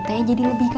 teh jadi lebih mudah